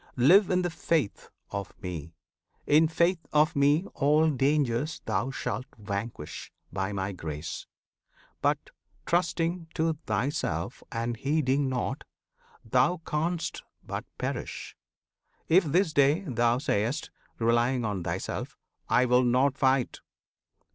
Live in the faith of Me! In faith of Me All dangers thou shalt vanquish, by My grace; But, trusting to thyself and heeding not, Thou can'st but perish! If this day thou say'st, Relying on thyself, "I will not fight!"